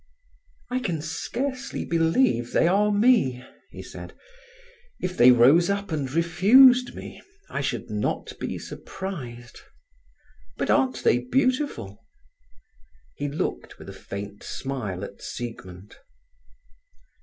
"I can scarcely believe they are me," he said. "If they rose up and refused me, I should not be surprised. But aren't they beautiful?" He looked, with a faint smile, at Siegmund.